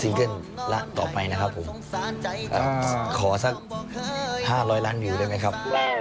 เกิ้ลต่อไปนะครับผมขอสัก๕๐๐ล้านวิวได้ไหมครับ